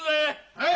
はい！